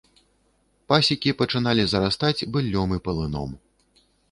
Пасекі пачыналі зарастаць быллём і палыном.